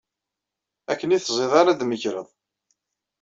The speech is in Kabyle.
Akken i teẓẓiḍ ara d-tmegreḍ.